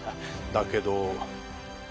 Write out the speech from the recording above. だけど。